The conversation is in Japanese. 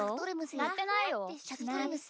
なってないよ。